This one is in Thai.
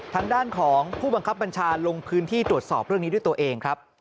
ทางด้านของผู้บังคับบัญชาลงพื้นที่ตรวจสอบเรื่องนี้ด้วยตัวเองครับ